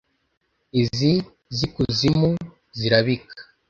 iz'izikuzimu zirabika